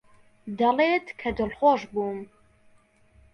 دەڵێت کە دڵخۆش بووم.